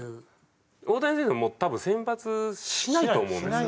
大谷選手はもう多分先発しないと思うんですよ。